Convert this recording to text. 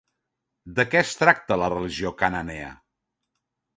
De què es tracta la religió cananea?